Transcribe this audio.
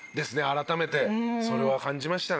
改めてそれは感じましたね。